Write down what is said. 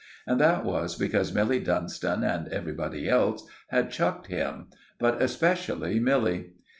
And that was because Milly Dunstan and everybody else had chucked him, but especially Milly.